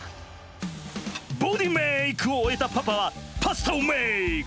ボディメイク！を終えたパパはパスタをメイク！